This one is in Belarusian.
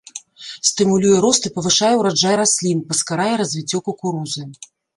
Стымулюе рост і павышае ўраджай раслін, паскарае развіццё кукурузы.